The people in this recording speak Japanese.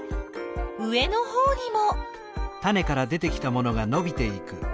上のほうにも。